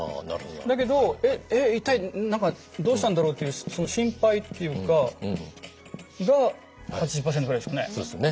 だけど「えっ一体何かどうしたんだろう？」というその心配っていうかが８０％ぐらいですかね。